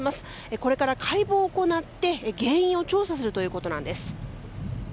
これから解剖を行って、原因を調査するということなんです。